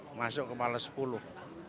adalah kemarin sepuluh